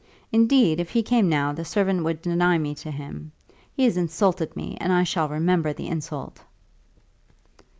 Indeed, if he came now the servant would deny me to him. He has insulted me, and I shall remember the insult."